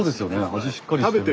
味しっかりしてるなと。